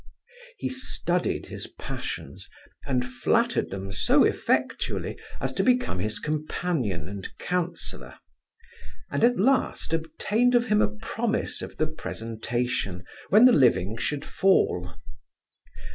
He studied his passions, and flattered them so effectually, as to become his companion and counsellor; and, at last, obtained of him a promise of the presentation, when the living should fall.